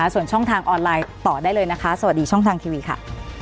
ส่วนช่องทางออนไลน์ต่อได้เลยนะคะสวัสดีช่องทางทีวีค่ะ